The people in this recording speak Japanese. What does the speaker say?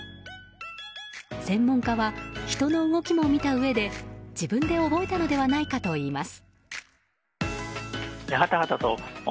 専門家は、人の動きも見たうえで自分で覚えたのではないかといいます。